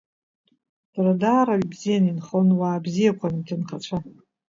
Дара даара ибзиан инхон, уаа бзиақәан иҭынхацәа.